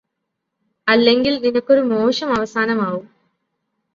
അല്ലെങ്കില് നിനക്കൊരു മോശം അവസാനമാവും